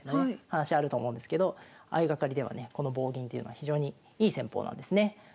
話あると思うんですけど相掛かりではねこの棒銀というのは非常にいい戦法なんですね。